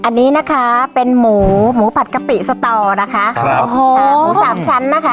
อันนี้นะคะเป็นหมูหมูผัดกะปิสตอนะคะครับโอ้โหอ่าหมูสามชั้นนะคะ